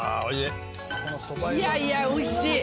いやいや美味しい！